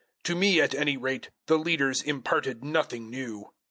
To me, at any rate, the leaders imparted nothing new.